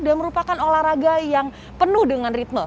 dan merupakan olahraga yang penuh dengan ritme